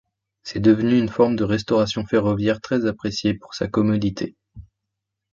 C'est devenu une forme de restauration ferroviaire très appréciée pour sa commodité.